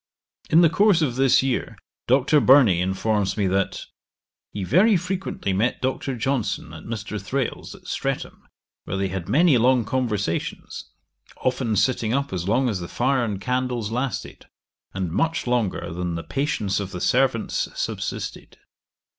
In the course of this year Dr. Burney informs me that 'he very frequently met Dr. Johnson at Mr. Thrale's, at Streatham, where they had many long conversations, often sitting up as long as the fire and candles lasted, and much longer than the patience of the servants subsisted.'